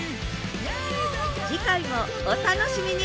次回もお楽しみに！